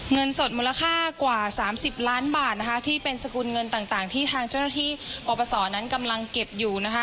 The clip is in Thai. เงินสดมูลค่ากว่า๓๐ล้านบาทที่เป็นสกุลเงินต่างที่ทางเจ้าหน้าที่ปปศนั้นกำลังเก็บอยู่นะคะ